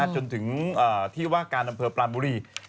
จนถึงที่ว่าการอำเภอปลานบุรี